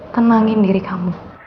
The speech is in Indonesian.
tenangin diri kamu